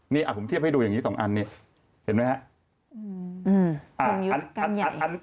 นี่ผมเทียบให้ดูอย่างนี้๒อันนี้เห็นไหมครับ